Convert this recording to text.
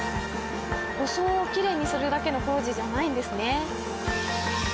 装をきれいにするだけの工事じゃないんですね。